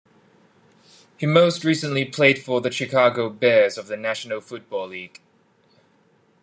He most recently played for the Chicago Bears of the National Football League.